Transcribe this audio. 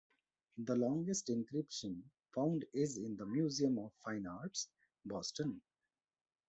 The longest inscription found is in the Museum of Fine Arts, Boston.